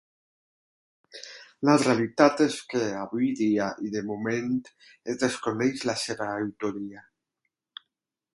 La realitat és que, avui dia i de moment, es desconeix la seva autoria.